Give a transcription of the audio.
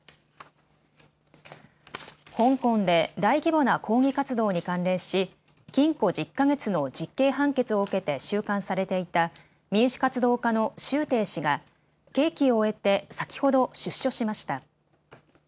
香港で大規模な抗議活動に関連し、禁錮１０か月の実刑判決を受けて収監されていた民主活動家の周庭氏が刑期を終えて先ほど出所しました。